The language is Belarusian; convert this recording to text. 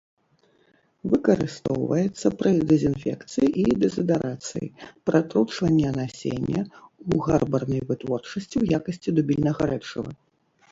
Выкарыстоўваецца пры дэзінфекцыі і дэзадарацыі, пратручвання насення, у гарбарнай вытворчасці ў якасці дубільнага рэчыва.